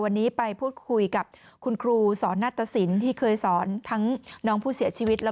ฟังเสียงคุณแม่และก็น้องที่เสียชีวิตค่ะ